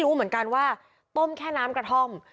ลูกนั่นแหละที่เป็นคนผิดที่ทำแบบนี้